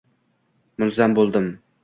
Mulzam bo‘ldim.